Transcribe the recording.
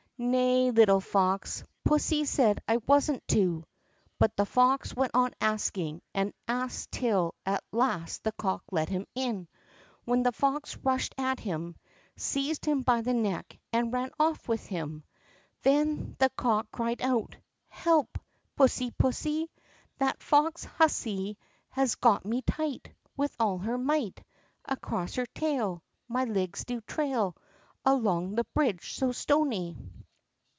"Nay, little fox! Pussy said I wasn't to." But the fox went on asking and asking till at last the cock let him in, when the fox rushed at him, seized him by the neck, and ran off with him. Then the cock cried out: "Help! pussy pussy! That foxy hussy Has got me tight With all her might. Across her tail My legs do trail Along the bridge so stony!"